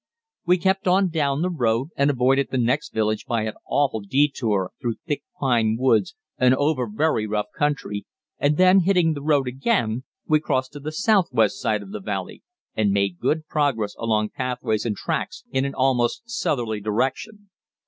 We kept on down the road and avoided the next village by an awful detour through thick pine woods and over very rough country, and then hitting the road again we crossed to the southwest side of the valley and made good progress along pathways and tracks in an almost southerly direction.